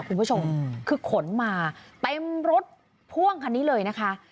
คุณผู้ชมคือขนมาเต็มรถพ่วงคันนี้เลยนะคะ